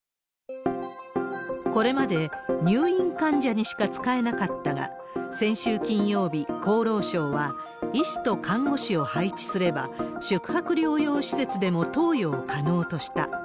これまで入院患者にしか使えなかったが、先週金曜日、厚労省は医師と看護師を配置すれば、宿泊療養施設でも投与を可能とした。